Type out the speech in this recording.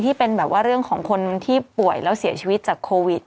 ที่เป็นแบบว่าเรื่องของคนที่ป่วยแล้วเสียชีวิตจากโควิด